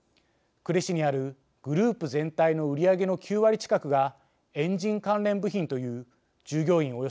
呉市にあるグループ全体の売り上げの９割近くがエンジン関連部品という従業員